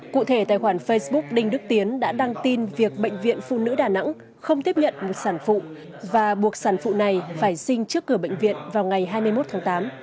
cụ thể tài khoản facebook đinh đức tiến đã đăng tin việc bệnh viện phụ nữ đà nẵng không tiếp nhận một sản phụ và buộc sản phụ này phải sinh trước cửa bệnh viện vào ngày hai mươi một tháng tám